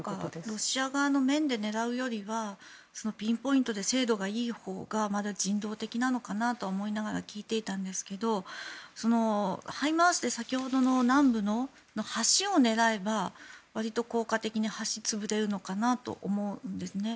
ロシア側の面で狙うよりはピンポイントで精度がいいほうがまだ人道的なのかなと思いながら聞いていたんですけどハイマースで、先ほどの南部の橋を狙えば、割と効果的に橋が潰れるのかなと思うんですね。